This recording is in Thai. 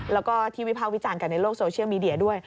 แล้วก็ที่วิภาควิจารณ์กันในโลกโซเชียลมีเดียด้วย